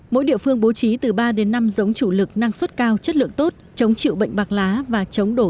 mỗi địa phương bố trí từ ba đến năm giống chủ lực năng suất cao chất lượng tốt chống chịu bệnh bạc lá và chống đổ